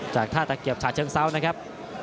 จากธาตุตะเกียบชาวเชียงซาวฟ์นะครับ